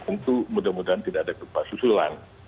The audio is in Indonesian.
itu mudah mudahan tidak ada kelepasan